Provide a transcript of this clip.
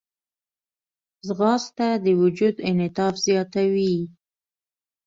ځغاسته د وجود انعطاف زیاتوي